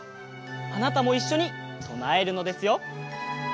あなたもいっしょにとなえるのですよ。